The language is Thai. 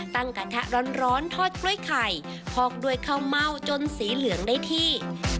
กระทะร้อนทอดกล้วยไข่พอกด้วยข้าวเม่าจนสีเหลืองได้ที่